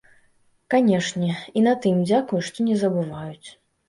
Канешне, і на тым дзякуй, што не забываюць.